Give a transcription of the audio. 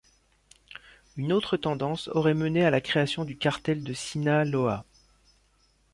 Une autre tendance aurait mené à la création du cartel de Sinaloa.